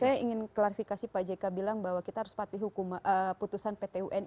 saya ingin klarifikasi pak jeka bilang bahwa kita harus patuhi putusan ptun